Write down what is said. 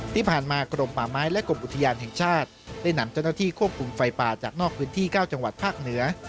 ที่ผ่านมากรมป่าไม้และกรมอุทยานแห่งชาติได้นำเจ้าหน้าที่ควบคุมไฟป่าจากนอกพื้นที่๙จังหวัดภาคเหนือ